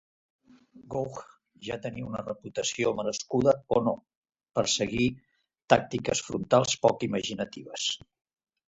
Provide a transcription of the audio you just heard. Gough ja tenia una reputació, merescuda o no, per seguir tàctiques frontals poc imaginatives.